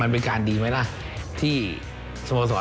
ก็คือคุณอันนบสิงต์โตทองนะครับ